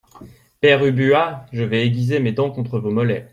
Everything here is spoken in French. Père Ubu Ah ! je vais aiguiser mes dents contre vos mollets.